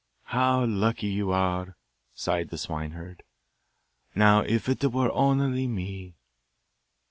'How lucky you are!' sighed the swineherd. 'Now, if it were only me!